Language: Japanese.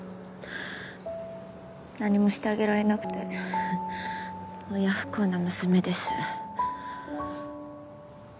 何もしてあげられなくて親不孝な娘です。